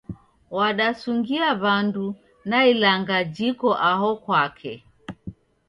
Wadasungia w'andu na ilanga jiko aho kwake